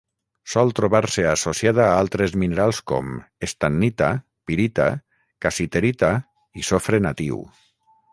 Sol trobar-se associada a altres minerals com: estannita, pirita, cassiterita i sofre natiu.